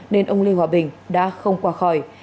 nên ông lê hòa bình đã không qua khỏi